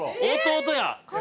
弟や。